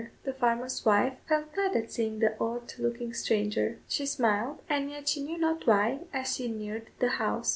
The farmer's wife felt glad at seeing the odd looking stranger; she smiled, and yet she knew not why, as she neared the house.